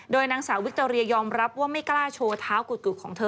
นางสาววิคโตเรียยอมรับว่าไม่กล้าโชว์เท้ากุของเธอ